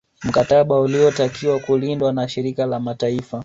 Mktaba uliotakiwa kulindwa na Shirikisho la Mataifa